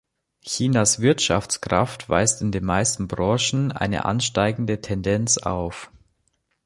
Chinas Wirtschaftskraft weist in den meisten Branchen eine ansteigende Tendenz auf.